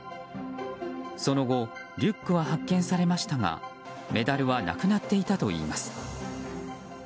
その後、リュックは発見されましたがメダルはなくなっていたといいます。